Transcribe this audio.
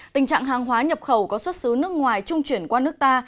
tình trạng hàng hóa nhập khẩu có xuất xứ nước ngoài trung chuyển qua nước ta